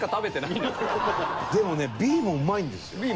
でもねＢもうまいんですよ。